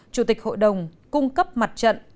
chủ tịch hội đồng cung cấp mặt trận